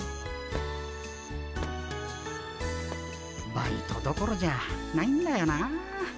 バイトどころじゃないんだよなあ。